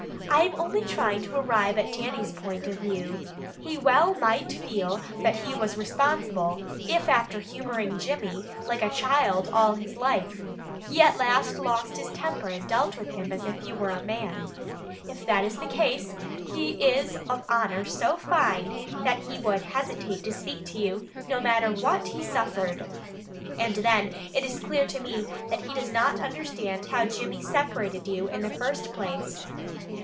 I am only trying to arrive at Dannie's point of view. He well might feel that he was responsible, if after humoring Jimmy like a child all his life, he at last lost his temper and dealt with him as if he were a man. If that is the case, he is of honor so fine, that he would hesitate to speak to you, no matter what he suffered. And then it is clear to me that he does not understand how Jimmy separated you in the first place."